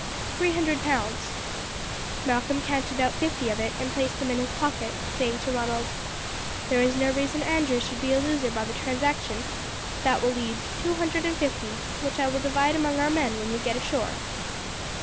"Three hundred pounds." Malcolm counted out fifty of it and placed them in his pocket, saying to Ronald: "There is no reason Andrew should be a loser by the transaction. That will leave two hundred and fifty, which I will divide among our men when we get ashore."